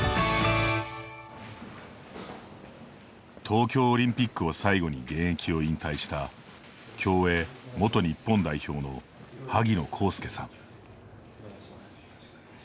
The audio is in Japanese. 東京オリンピックを最後に現役を引退した競泳・元日本代表の萩野公介さん。